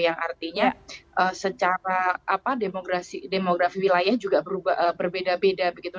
yang artinya secara demografi wilayah juga berbeda beda begitu